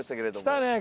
来たね。